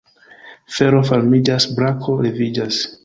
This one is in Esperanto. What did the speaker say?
Fero varmiĝas, Brako leviĝas.